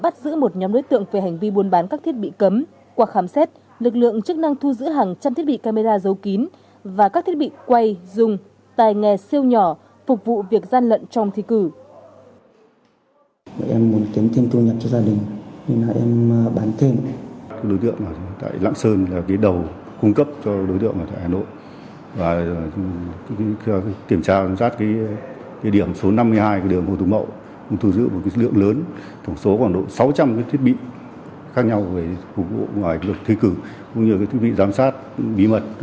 công an quận nam tỉ liêm vừa bắt giữ một nhóm đối tượng về hành vi buôn bán các thiết bị cấm